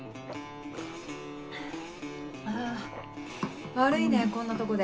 あぁ悪いねこんなとこで。